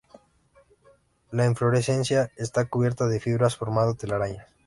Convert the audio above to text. La inflorescencia está cubierta de fibras formado telarañas.